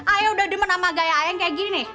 ayem udah demen sama gaya ayem kayak gini nih